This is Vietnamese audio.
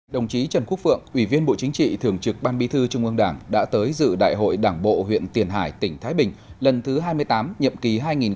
đồng chí trần quốc vượng ủy viên bộ chính trị thường trực ban bí thư trung ương đảng đã tới dự đại hội đảng bộ huyện tiền hải tỉnh thái bình lần thứ hai mươi tám nhậm ký hai nghìn hai mươi hai nghìn hai mươi năm